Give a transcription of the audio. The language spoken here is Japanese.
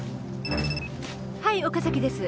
はい岡崎です。